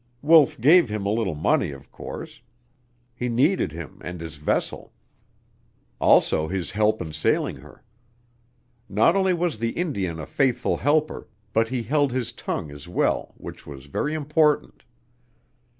Wolf gave him a little money, of course. He needed him and his vessel; also his help in sailing her. Not only was the Indian a faithful helper, but he held his tongue as well, which was very important.